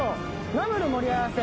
ナムル盛り合わせ。